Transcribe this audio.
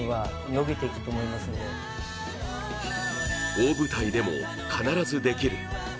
大舞台でも必ずできる。